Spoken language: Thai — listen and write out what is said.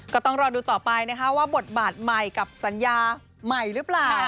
ก็ต้องรอดูต่อไปนะคะว่าบทบาทใหม่กับสัญญาใหม่หรือเปล่า